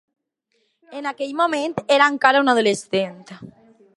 En aquell moment, era encara un adolescent.